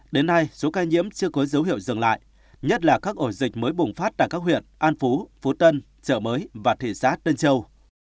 đến nay số ca nhiễm chưa có dấu hiệu dừng lại nhất là các ổ dịch mới bùng phát tại các huyện an phú tân trợ mới và thị xã tân châu